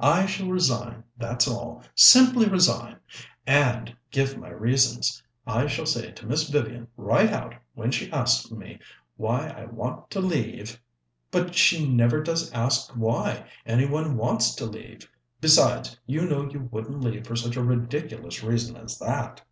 "I shall resign, that's all. Simply resign. And give my reasons. I shall say to Miss Vivian right out, when she asks me why I want to leave " "But she never does ask why any one wants to leave. Besides, you know you wouldn't leave for such a ridiculous reason as that."